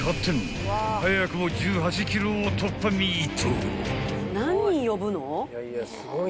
［早くも１８ｋｇを突破ミート］